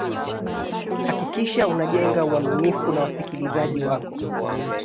hakikisha unajenga uaminifu na wasikilizaji wako